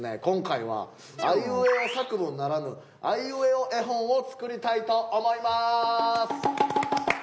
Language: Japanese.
今回はあいうえお作文ならぬ「あいうえお絵本」を作りたいと思います！